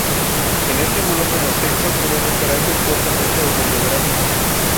En este volumen los textos tienen un carácter fuertemente autobiográfico.